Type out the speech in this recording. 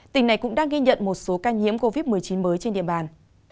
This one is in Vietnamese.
tỉnh này cũng đang ghi nhận một số ca nhiễm covid một mươi chín mới trên địa bàn